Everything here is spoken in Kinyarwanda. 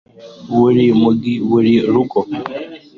Buri mugi buri rugo